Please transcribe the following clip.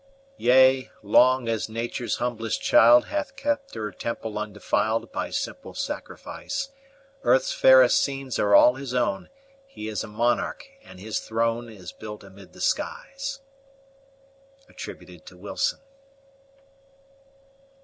Yea! long as Nature's humblest child Hath kept her temple undefiled By simple sacrifice, Earth's fairest scenes are all his own, He is a monarch and his throne Is built amid the skies! WILSON.